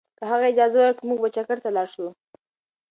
که هغه اجازه ورکړي، موږ به چکر ته لاړ شو.